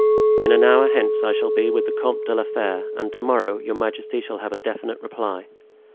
In an hour hence I shall be with the Comte de la Fere, and to morrow your majesty shall have a definite reply."